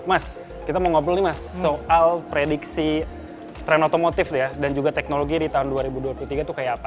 mas kita mau ngobrol nih mas soal prediksi tren otomotif ya dan juga teknologi di tahun dua ribu dua puluh tiga itu kayak apa